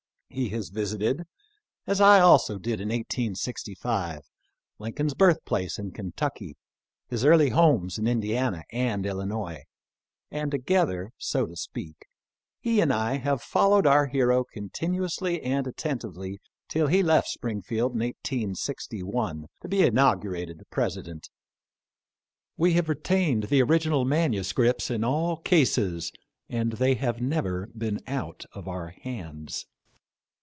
He has visited^as I also did in 1865 — Lincoln's birthplace in Kentucky, his early homes in Indiana and Illinois, and together, so to speak, he and I have followed our hero continu ously and attentively till he left Springfield in 1861 to be inaugurated President. We have retained the original MSS. in all cases, and they have never been out of our hands.